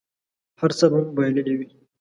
هر څه به مو بایللي وي.